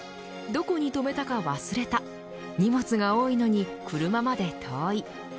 どこに止めたか忘れた荷物が多いのに車まで遠い。